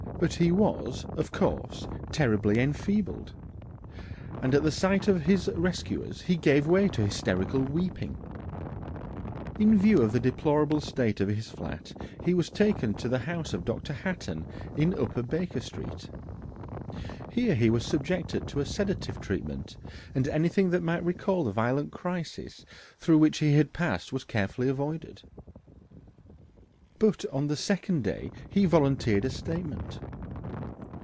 But he was, of course, terribly enfeebled, and at the sight of his rescuers he gave way to hysterical weeping. In view of the deplorable state of his flat, he was taken to the house of Dr. Hatton in Upper Baker Street. Here he was subjected to a sedative treatment, and anything that might recall the violent crisis through which he had passed was carefully avoided. But on the second day he volunteered a statement.